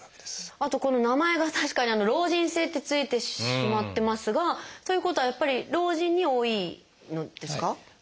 あとこの名前が確かに「老人性」って付いてしまってますがということはやっぱり老人に多いのですか？